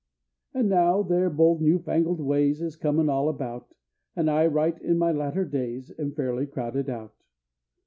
And now, their bold, new fangled ways Is comin' all about; And I, right in my latter days, Am fairly crowded out!